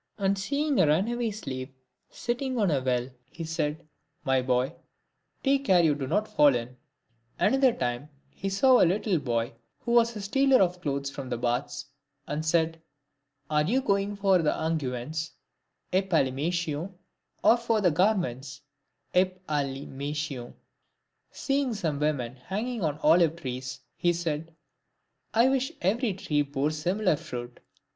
And seeing a runaway slave sitting on a well, he said, " My boy, take care you do not fall in." Another time, he saw a little boy who was a stealer of clothes from the baths, and said, " Are you going for unguents, (|T' aXa//////,ar/ov), or for other garments (IK* ciXX' //Aar/ov). Seeing some women hanging on olive trees, he said, " I wish every tree bore similar fruit."